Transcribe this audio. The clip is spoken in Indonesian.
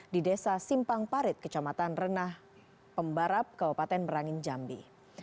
di desa simpangparit kecamatan renah pembarap kabupaten merangin jambi